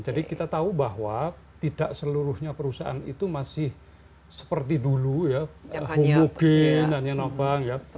jadi kita tahu bahwa tidak seluruhnya perusahaan itu masih seperti dulu ya homogen yang nanya nombang ya